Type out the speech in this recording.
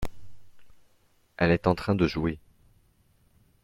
elle est en train de jouer.